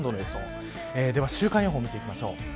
では週間予報を見ていきましょう。